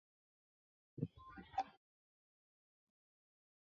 黄包车的车轮也全部被改换。